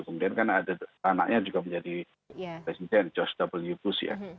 kemudian kan ada anaknya juga menjadi presiden george w bus ya